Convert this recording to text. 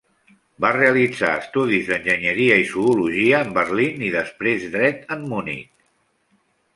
Va realitzar estudis d'enginyeria i zoologia en Berlín i després dret en Munic.